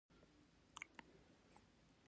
آسیایي سیالیو کې ګډون لرو.